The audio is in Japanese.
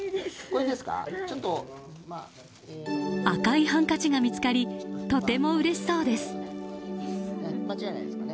赤いハンカチが見つかりとてもうれしそうです。